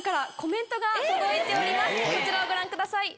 こちらをご覧ください。